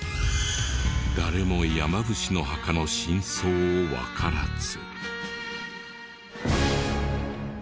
誰も山伏之墓の真相をわからず。